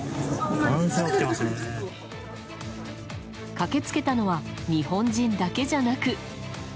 駆けつけたのは日本人だけじゃなく。